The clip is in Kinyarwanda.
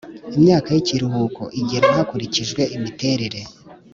imyaka y’ikiruhuko igenwa hakurikijwe imiterere